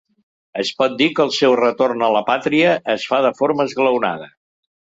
Es pot dir que el seu retorn a la pàtria es fa de forma esglaonada.